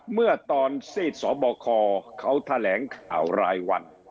เมื่อตอนซีดสบคเขาแถลงข่าวรายวัน